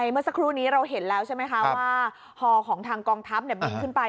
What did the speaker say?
เมื่อสักครู่นี้เราเห็นแล้วใช่ไหมคะว่าฮอของทางกองทัพบินขึ้นไป